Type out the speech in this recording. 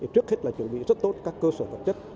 trước hết là chuẩn bị rất tốt các cơ sở vật chất